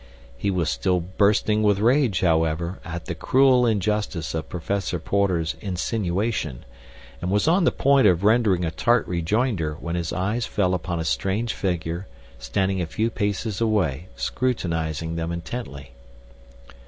He was still bursting with rage, however, at the cruel injustice of Professor Porter's insinuation, and was on the point of rendering a tart rejoinder when his eyes fell upon a strange figure standing a few paces away, scrutinizing them intently.